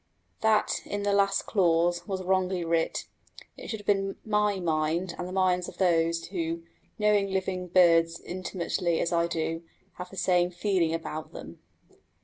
That, in the last clause, was wrongly writ. It should have been my mind, and the minds of those who, knowing living birds intimately as I do, have the same feeling about them.